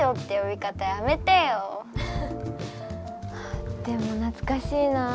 あでもなつかしいなあ。